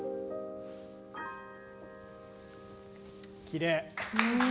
きれい。